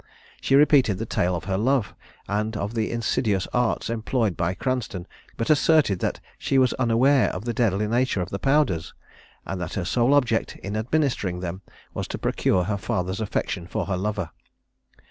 She repeated the tale of her love, and of the insidious arts employed by Cranstoun, but asserted that she was unaware of the deadly nature of the powders, and that her sole object in administering them was to procure her father's affection for her lover.